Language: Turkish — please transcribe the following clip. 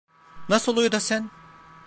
Nasıl oluyor da sen…